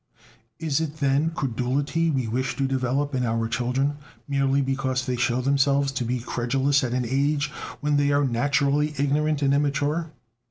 Is it, then, credulity we wish to develop in our children, merely because they show themselves to be credulous at an age when they are naturally ignorant and immature?